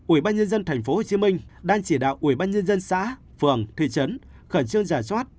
ủy ban nhân dân thành phố hồ chí minh đang chỉ đạo ủy ban nhân dân xã phường thị trấn khẩn trương giả soát